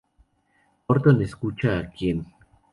Horton escucha a quien!